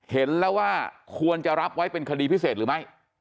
เห็นแล้วว่าควรจะรับไว้เป็นคดีพิเศษหรือไม่